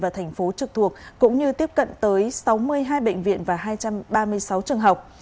và thành phố trực thuộc cũng như tiếp cận tới sáu mươi hai bệnh viện và hai trăm ba mươi sáu trường học